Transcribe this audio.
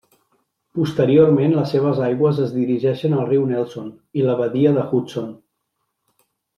Posteriorment les seves aigües es dirigeixen al riu Nelson i la Badia de Hudson.